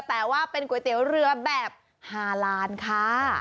แต่ว่าเป็นก๋วยเตี๋ยวเรือแบบฮาลานค่ะ